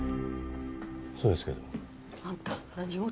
そうですけどあんた何事！？